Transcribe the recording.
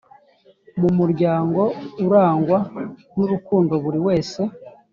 Mu muryango urangwa n urukundo buri wese